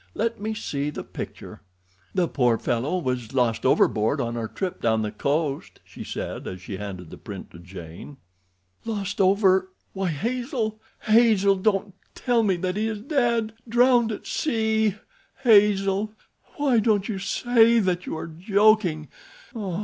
"Let me see the picture." "The poor fellow was lost overboard on our trip down the coast," she said, as she handed the print to Jane. "Lost over—Why, Hazel, Hazel—don't tell me that he is dead—drowned at sea! Hazel! Why don't you say that you are joking!"